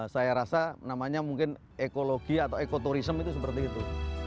saya rasa namanya mungkin ekologi atau ekoturism itu seperti itu